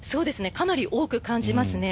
かなり多く感じますね。